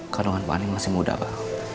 kandungan bu andien masih muda pak